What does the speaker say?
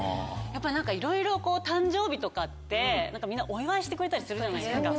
いろいろ誕生日とかってみんなお祝いしてくれたりするじゃないですか。